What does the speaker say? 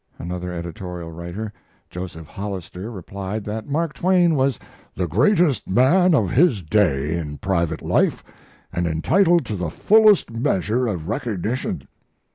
another editorial writer, Joseph Hollister, replied that Mark Twain was "the greatest man of his day in private life, and entitled to the fullest measure of recognition."